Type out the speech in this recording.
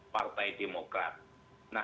partai demokrat nah